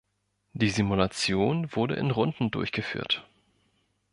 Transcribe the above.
Die Simulation wurde in Runden durchgeführt.